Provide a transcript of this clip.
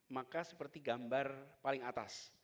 maka seperti gambar paling atas